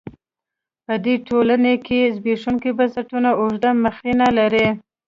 په دې ټولنو کې زبېښونکي بنسټونه اوږده مخینه لري.